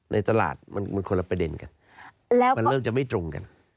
ในตลาดมันคนละประเด็นกันแล้วมันเริ่มจะไม่ตรงกัน